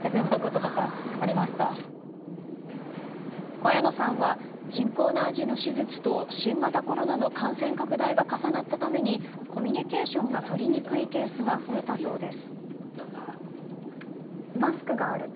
小谷野さんは人工内耳の手術と新型コロナの感染拡大が重なったためにコミュニケーションがとりにくいケースが増えたそうです。